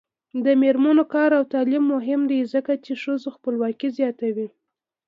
د میرمنو کار او تعلیم مهم دی ځکه چې ښځو خپلواکي زیاتوي.